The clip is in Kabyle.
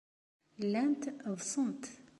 Llant ḍḍsent.